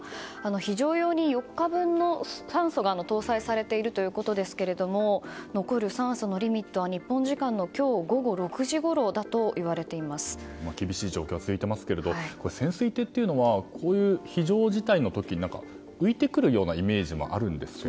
非常用に４日分の酸素が搭載されているということですが残る酸素のリミットは日本時間の今日午後６時ごろだと厳しい状況が続いていますけれども潜水艇というのはこういう非常事態の時に浮いてくるようなイメージもあるんですが。